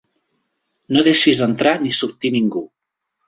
No deixis entrar ni sortir ningú.